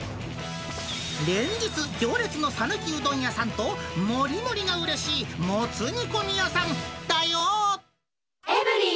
連日行列の讃岐うどん屋さんと、もりもりがうれしいもつ煮込み屋さんだよー。